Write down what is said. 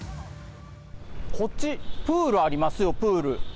こっち、プールありますよ、プール。